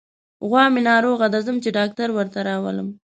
غوا مې ناروغه ده، ځم چې ډاکټر ورته راولم.